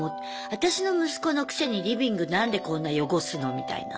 私の息子のくせにリビング何でこんな汚すのみたいな。